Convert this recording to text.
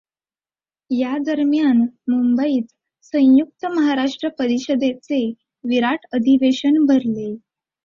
या दरम्यान मुंबईत संयुक्त महाराष्ट्र परिषदे चे विराट अधिवेशन भरले.